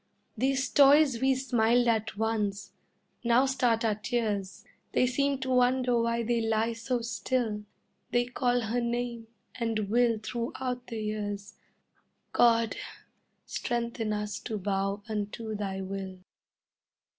These toys we smiled at once, now start our tears, They seem to wonder why they lie so still, They call her name, and will throughout the years God, strengthen us to bow unto Thy will.